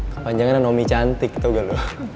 kapan jangan nomi cantik tau gak lo